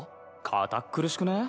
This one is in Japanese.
堅っ苦しくねえ？